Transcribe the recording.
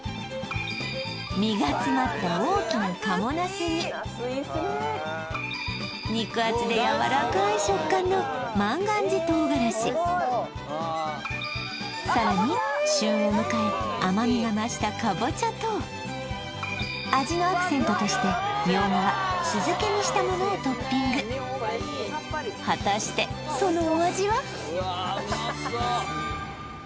身が詰まった大きな肉厚でやわらかい食感のさらに旬を迎え甘みが増した味のアクセントとしてみょうがは酢漬けにしたものをトッピング果たしてそのお味は？